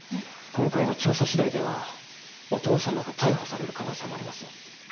今回の調査しだいではお父様が逮捕される可能性もあります。